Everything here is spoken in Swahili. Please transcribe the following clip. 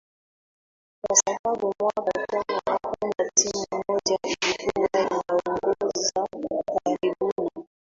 kwa sababu mwaka jana kuna timu moja ilikuwa inaongoza karibu na